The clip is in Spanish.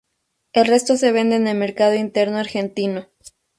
El resto se vende en el mercado interno argentino.